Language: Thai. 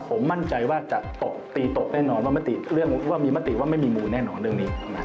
ผมมั่นใจว่าจะตกตีตกแน่นอนว่ามีมติว่าไม่มีมูลแน่นอนเรื่องนี้